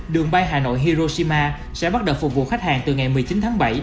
đường bay hà nội hiroshima sẽ bắt đầu phục vụ khách hàng từ ngày một mươi chín tháng bảy